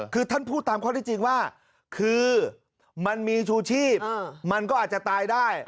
คือท่านพูดตามข้อที่จริงว่าคือมันมีชูชีพมันก็อาจจะตายได้